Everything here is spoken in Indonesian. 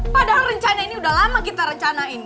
padahal rencana ini udah lama kita rencanain